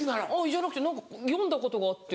じゃなくて何か読んだことがあって。